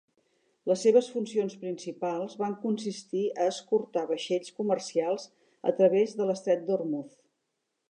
Les seves funcions principals van consistir a escortar vaixells comercials a través de l'estret d'Ormuz.